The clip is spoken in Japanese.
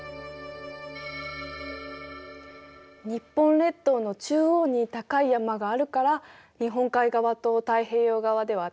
日本列島の中央に高い山があるから日本海側と太平洋側では天気が違うんだ。